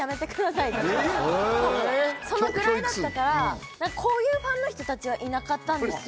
そのくらいだったからこういうファンの人達はいなかったんですよ